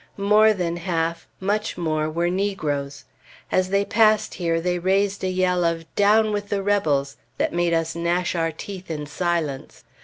More than half, much more, were negroes. As they passed here they raised a yell of "Down with the rebels!" that made us gnash our teeth in silence.